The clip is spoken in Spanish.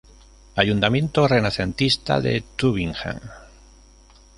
Ayuntamiento renacentista de Tübingen.